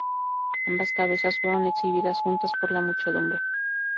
Ambas cabezas fueron exhibidas juntas por la muchedumbre.